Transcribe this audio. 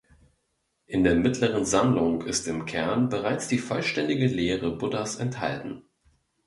In der Mittleren Sammlung ist im Kern bereits die vollständige Lehre Buddhas enthalten.